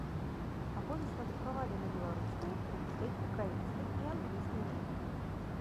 Аповесць надрукавалі на беларускай, рускай, украінскай і англійскай мовах.